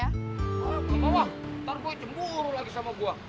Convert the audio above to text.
gak apa apa ntar gue cemburu lagi sama gue